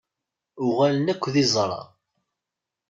Uɣalen akk d iẓra.